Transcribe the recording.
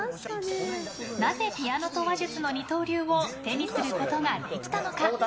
なぜピアノと話術の二刀流を手にすることができたのか？